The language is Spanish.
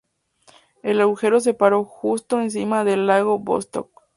El agujero se paró justo encima del lago Vostok.